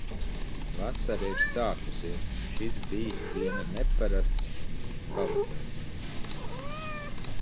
Vasara ir sākusies. Šis bijis viena neparasts pavasaris!